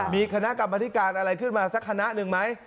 มีคณะกรรมธิการอะไรขึ้นมาสักคณะหนึ่งไหม